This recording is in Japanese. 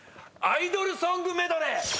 アイドルソングメドレー！